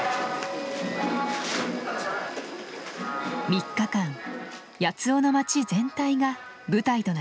３日間八尾の町全体が舞台となります。